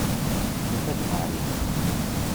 Nufa-d Mari.